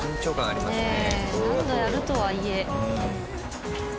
何度やるとはいえ。